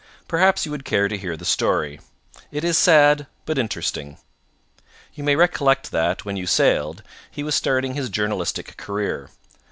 "Perhaps you would care to hear the story. It is sad, but interesting. You may recollect that, when you sailed, he was starting his journalistic career.